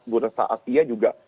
buat saat iya juga